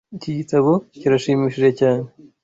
Iki gitabo kirashimishije cyane.